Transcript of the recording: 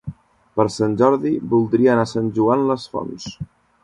Per Sant Jordi voldria anar a Sant Joan les Fonts.